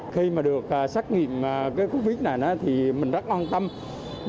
khi mà được xét nghiệm covid này thì mình rất on tâm